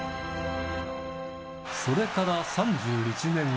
それから３１年後。